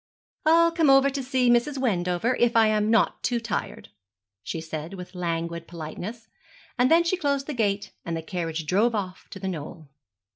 'I'll come over to see Mrs. Wendover, if I am not too tired,' she said, with languid politeness, and then she closed the gate, and the carriage drove on to The Knoll.